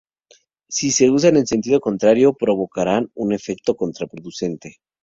Si se usan en sentido contrario, provocarán un efecto contraproducente.